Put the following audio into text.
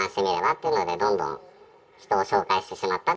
っていうので、どんどん人を紹介してしまった。